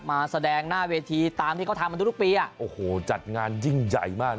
มาแสดงหน้าเวทีตามที่เขาทำกันทุกทุกปีอ่ะโอ้โหจัดงานยิ่งใหญ่มาก